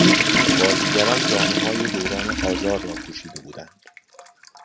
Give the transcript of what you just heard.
بازیگران جامههای دوران قاجار را پوشیده بودند.